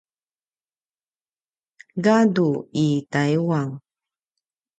gadu i Taiwan